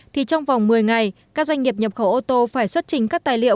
thì trong vòng một mươi ngày các doanh nghiệp nhập khẩu ô tô phải xuất trình các tài liệu